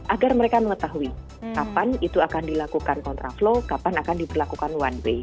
agar mereka mengetahui kapan itu akan dilakukan kontraflow kapan akan diberlakukan one way